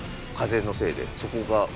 風のせいでそこが。